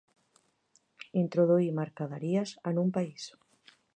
Introduir mercaderies en un país.